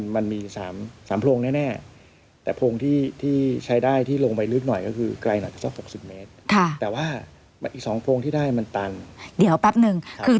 มันมี๓โพรงแน่แต่โพรงที่ใช้ได้ที่ลงไปลึกหน่อยก็คือ